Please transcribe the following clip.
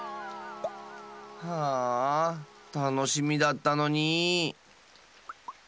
ああたのしみだったのに！